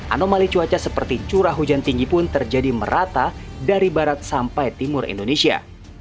anomali cuaca seperti curah hujan tinggi pun terjadi merata dari barat sampai timur indonesia